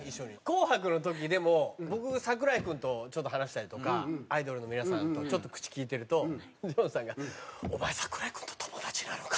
『紅白』の時でも僕櫻井君とちょっと話したりとかアイドルの皆さんとちょっと口きいてるとジモンさんが「お前櫻井君と友達なのか？」。